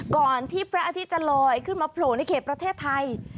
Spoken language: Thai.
ก่อนที่พระอาทิตย์จะลอยขึ้นมาโผล่ในเขตประเทศไทย